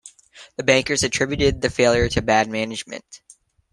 The bankers attributed the failure to bad management.